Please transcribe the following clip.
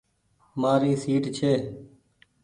مآري سيٽ ڇي۔